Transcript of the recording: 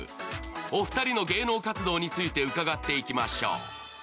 お二人の芸能活動について伺っていきましょう。